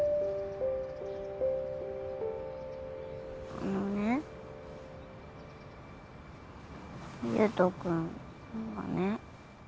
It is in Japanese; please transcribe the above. あのね優斗君がね。